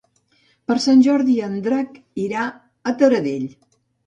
Per Sant Jordi en Drac irà a Taradell.